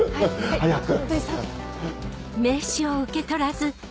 早く！